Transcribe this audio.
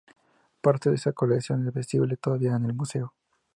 Parte de esa colección es visible todavía en el Museo.